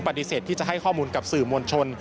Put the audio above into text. ปฏิเสธที่จะให้ข้อมูลกับสื่อมวลชน